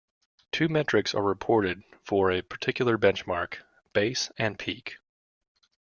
Two metrics are reported for a particular benchmark, "base" and "peak".